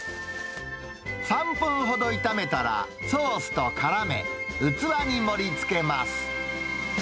３分ほど炒めたら、ソースとからめ、器に盛りつけます。